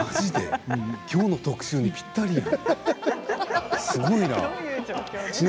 きょうの特集にぴったりやん。